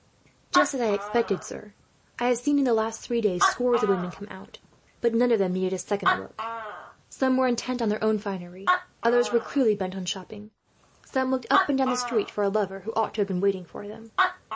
"Just as I expected, sir. I have seen, in the last three days, scores of women come out; but none of them needed a second look. Some were intent on their own finery, others were clearly bent on shopping. Some looked up and down the street, for a lover who ought to have been waiting for them.